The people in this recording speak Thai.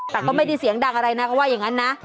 แต่ก็ไม่ได้เสียงดังอะไรนะเขาว่าอย่างนั้นนะ